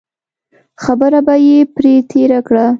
خبره به یې پرې تېره کړه.